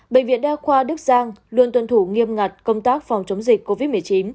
bệnh viện đa khoa đức giang luôn tuân thủ nghiêm ngặt công tác phòng chống dịch covid một mươi chín